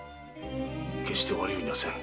決して悪いようにはせん。